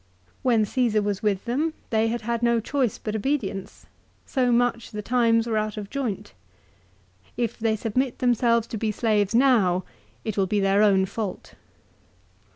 When Ceesar was with them they had had no choice but obedience, so much the times were out of joint. If they submit themselves to be slaves now it will be their own fault.